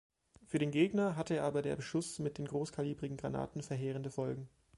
Für den Gegner hatte aber der Beschuss mit den großkalibrigen Granaten verheerende Folgen.